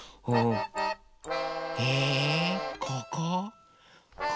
えここ？